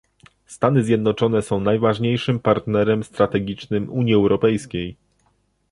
Stany Zjednoczone są najważniejszym partnerem strategicznym Unii Europejskiej